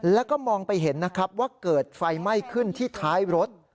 แล้วก็มองไปเห็นนะครับว่าเกิดไฟไหม้ขึ้นที่ท้ายรถ